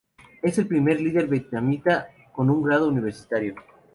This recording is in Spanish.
Es el primer líder vietnamita con un grado universitario.